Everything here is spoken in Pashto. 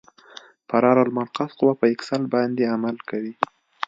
فرار المرکز قوه په اکسل باندې عمل کوي